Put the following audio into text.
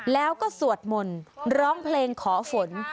แล้วก็สวดมนต์ร้องเพลงขอฝน